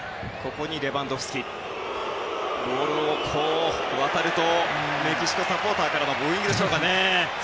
ボールが渡るとメキシコサポーターからはブーイングでしょうかね。